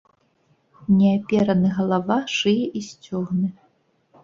Не апераны галава, шыя і сцёгны.